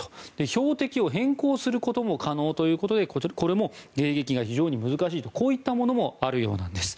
標的を変更することも可能ということでこれも迎撃が非常に難しいとこういったものもあるようです。